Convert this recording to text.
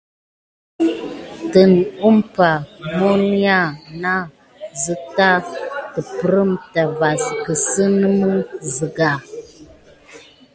Tane umpay məlé naŋ zate peppreŋ tabas kisime siga.